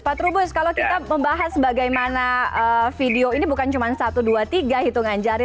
pak trubus kalau kita membahas bagaimana video ini bukan cuma satu dua tiga hitungan jari